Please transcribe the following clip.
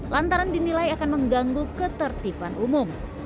lantaran dinilai akan mengganggu ketertiban umum